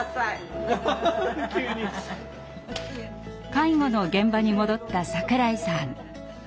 介護の現場に戻った櫻井さん。